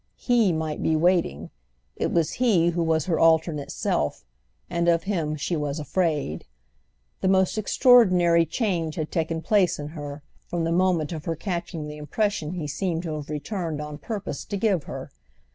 He might be waiting; it was he who was her alternate self, and of him she was afraid. The most extraordinary change had taken place in her from the moment of her catching the impression he seemed to have returned on purpose to give her.